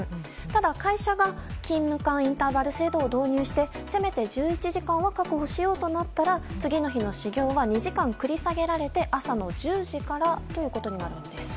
ただ、会社が勤務間インターバル制度を導入して、せめて１１時間は確保しようとなったら次の日の始業は２時間繰り下げられて朝の１０時からということになるんです。